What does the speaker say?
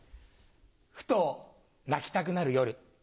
ふと泣きたくなる夜。